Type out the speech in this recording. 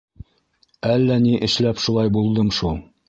Әллә ни эшләп шулай булдым шул.